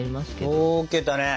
溶けたね。